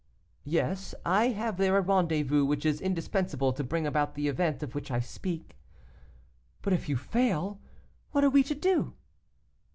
'Yes, I have there a rendezvous which is indispensable to bring about the event of which I speak.' 'But if you fail, what are we to do?